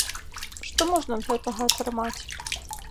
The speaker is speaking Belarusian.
Што можна ад гэтага атрымаць?